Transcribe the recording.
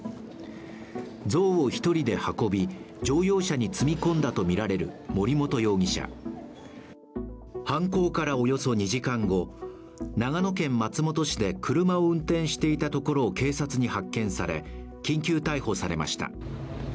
像を１人で運び、乗用車に積み込んだとみられる森本容疑者犯行からおよそ２時間後長野県松本市で車を運転していたところを警察に発見され緊急逮捕されました。